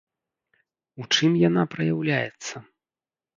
У чым яна праяўляецца?